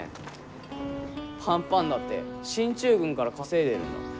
パンパンだって進駐軍から稼いでるんだ。